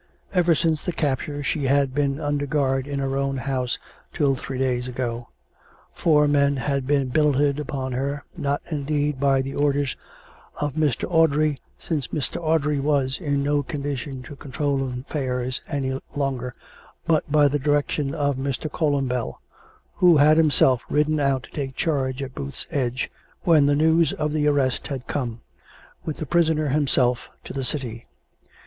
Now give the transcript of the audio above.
Ever since the capture she had been under guard in her own house till three days ago. Four men had been billeted upon her, not, indeed, by the orders of Mr. Audrey, since Mr. Audrey was in no condition to control affairs any longer, but by the direction of Mr. Columbell, who had himself ridden out to take charge at Booth's Edge, when the news of the arrest had come, with the prisoner him self, U) the city.